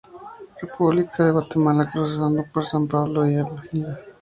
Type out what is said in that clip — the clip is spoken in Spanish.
República de Guatemala, cruzando por San Pablo y Av.